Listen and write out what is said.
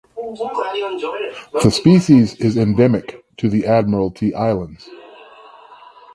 The species is endemic to the Admiralty Islands.